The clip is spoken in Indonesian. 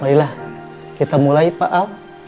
marilah kita mulai pak al